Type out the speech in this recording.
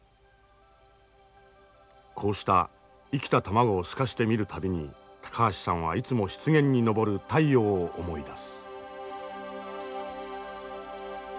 こうした生きた卵を透かして見る度に高橋さんはいつも湿原に昇る太陽を思い出す。